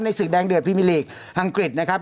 ในสิกแดงเดือดพิมีหลีกอังกฤษนะครับ